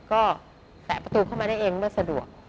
ก็แตะประตูเข้ามาได้เองเมื่อสะดวก